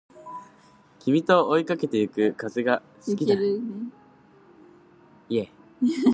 君と追いかけてゆける風が好きだよ